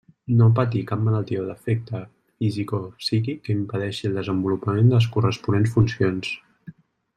No patir cap malaltia o defecte físic o psíquic que impedeixi el desenvolupament de les corresponents funcions.